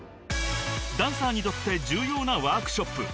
［ダンサーにとって重要なワークショップ］